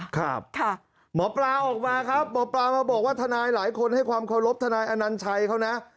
ครับหมอปลาออกมาครับหมอปลามาบอกว่าทนายหลายคนให้ความเคารพทนายอนัญชัยเขานะ